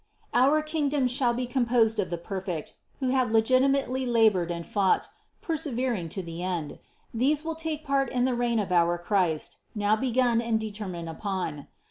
Our kingdom shall be composed of the perfect, who have legitimately labored and fought, persevering to the end. These will take part in the reign of our Christ, now begun and determined upon.